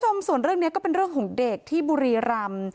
คุณผู้ชมส่วนเรื่องนี้ก็เป็นเรื่องของเด็กที่บุรีรำ